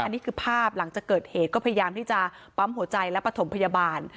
อันนี้คือภาพหลังจากเกิดเหตุก็พยายามที่จะปั๊มหัวใจและปฐมพยาบาล